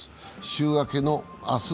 週明けの明日